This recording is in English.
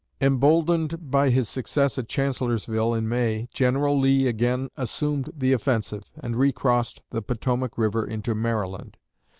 Emboldened by his success at Chancellorsville in May, General Lee again assumed the offensive, and recrossed the Potomac river into Maryland.